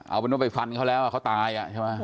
เอาเป็นว่าไปฟันเขาแล้วเขาตายอ่ะใช่ไหม